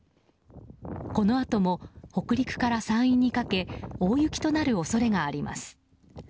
このあとも北陸から山陰にかけ大雪となる恐れがあります。